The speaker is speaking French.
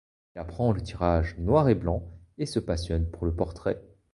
Il apprend le tirage noir et blanc et se passionne pour le portrait.